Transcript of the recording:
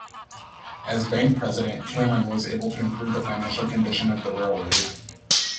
As bank President, Cameron was able to improve the financial condition of the railroad.